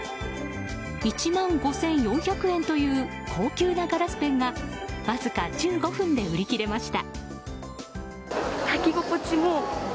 １万５４００円という高級なガラスペンがわずか１５分で売り切れました。